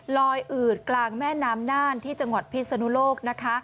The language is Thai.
อืดกลางแม่น้ำน่านที่จังหวัดพิศนุโลกนะคะ